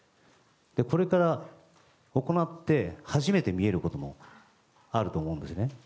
これから行って初めて見えることもあると思うんですね。